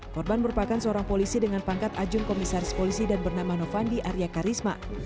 korban merupakan seorang polisi dengan pangkat ajung komisaris polisi dan bernama novandi arya karisma